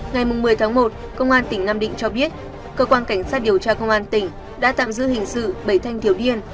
ngày một mươi tháng một công an tỉnh nam định cho biết cơ quan cảnh sát điều tra công an tỉnh đã tạm giữ hình sự bảy thanh thiếu niên